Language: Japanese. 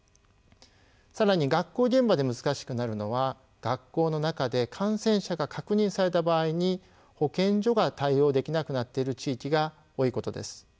更に学校現場で難しくなるのは学校の中で感染者が確認された場合に保健所が対応できなくなっている地域が多いことです。